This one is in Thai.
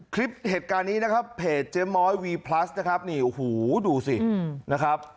คลิปเหตุการณ์นี้นะครับเพจเจ๊ม้อยวีพลัสนะครับนี่โอ้โหดูสินะครับ